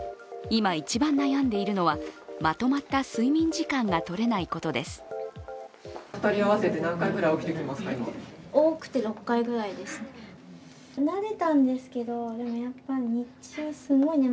今、一番悩んでいるのはまとまった睡眠時間がとれないことです。